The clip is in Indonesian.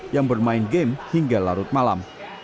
yang bermain game hingga larut malam